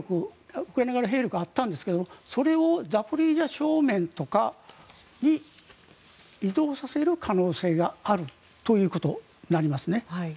ウクライナ側の兵力があったんですがそれをザポリージャ正面とかに移動させる可能性があるということになりますね。